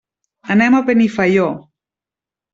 Anem a Benifaió.